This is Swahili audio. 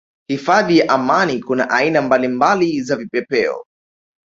Hifadhi ya Amani kuna aina mbalimbali za vipepeo